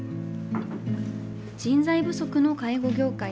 人材不足の介護業界。